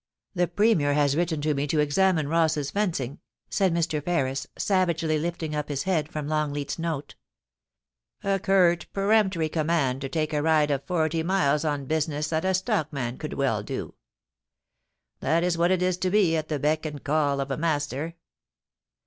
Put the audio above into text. * 'The Premier has written to me to examine Ross's fencing/ said Mr. Ferris, savagely lifting up his head from Longleat's note. * A curt, peremptory command to take a ride of forty miles on business that a stockman could well do. That is what it is to be at the beck and call of a master.